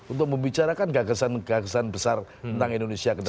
untuk membicarakan gagasan gagasan besar tentang indonesia ke depan